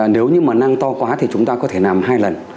nếu như mà nang to quá thì chúng ta có thể nằm hai lần